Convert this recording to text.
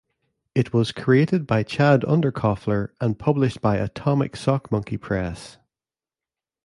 It was created by Chad Underkoffler and published by Atomic Sock Monkey Press.